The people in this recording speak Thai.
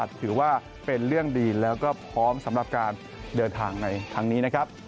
ถือว่าเป็นเรื่องดีและพร้อมกับสำหรับการเดินทางทั้งนี้